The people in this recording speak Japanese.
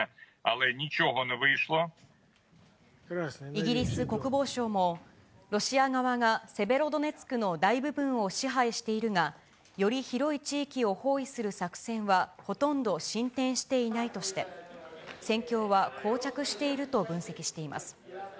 イギリス国防省も、ロシア側がセベロドネツクの大部分を支配しているが、より広い地域を包囲する作戦はほとんど進展していないとして、戦況はこう着していると分析しています。